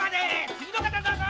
次の方どうぞ！